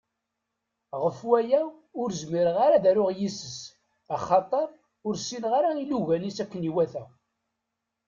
Γef waya ur zmireɣ ara ad aruɣ yis-s, axater ur ssineɣ ara ilugan-is akken iwata.